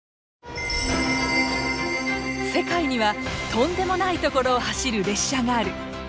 世界にはとんでもない所を走る列車がある！